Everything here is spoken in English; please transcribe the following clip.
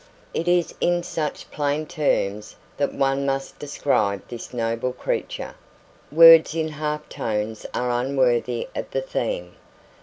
It is in such plain terms that one must describe this noble creature; words in half tones are unworthy of the theme.